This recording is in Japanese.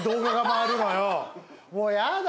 もうやだ！